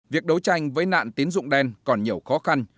việc đấu tranh với nạn tiến dụng đen còn nhiều khó khăn